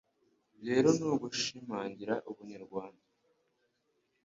rero ni ugushimangira ubunyarwanda.